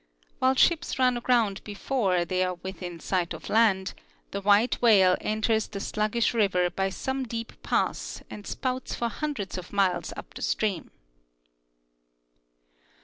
While ships run aground before they are within sight of land, the white whale enters the slug gish river by some deep pass and spouts for hundreds of miles uja the stream.